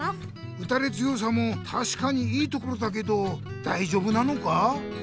うたれ強さもたしかにいいところだけどだいじょうぶなのか？